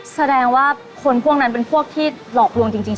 แสดงว่าคนพวกนั้นเป็นพวกที่หลอกลวงจริงใช่มั้ยส้อ